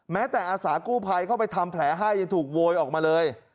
แม้แต่อาสากู้ภัยเข้าไปทำแผลให้ยังถูกโวยออกมาเลย